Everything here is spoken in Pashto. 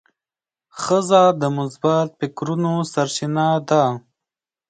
ښځه د مثبت فکرونو سرچینه ده.